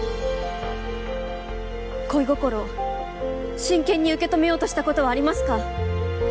恋心を真剣に受け止めようとしたことはありますか？